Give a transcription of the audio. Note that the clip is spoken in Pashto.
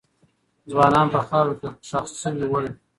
ځوانان په خاورو کې خښ سوي ول.